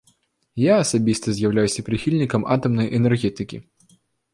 Я асабіста з'яўляюся прыхільнікам атамнай энергетыкі.